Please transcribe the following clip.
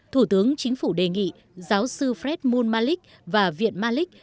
thủ tướng chính phủ đề nghị giáo sư fred mul malik và viện malik